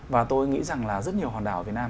và tôi nghĩ rằng là rất nhiều hòn đảo ở việt nam